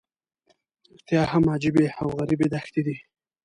رښتیا هم عجیبې او غریبې دښتې دي.